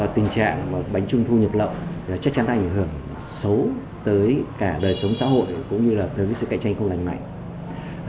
tình trạng bánh trung thu nhập lậu chắc chắn ảnh hưởng xấu tới cả đời sống xã hội cũng như là tới sự cạnh tranh không lành mạnh